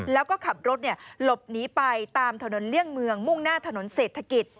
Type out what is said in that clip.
แล้วก็ขับรถหลบหนีไปตามถนนเลี่ยงเมืองมุ่งหน้าถนนเศรษฐกิจ